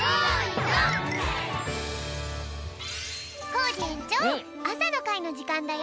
コージえんちょうあさのかいのじかんだよ。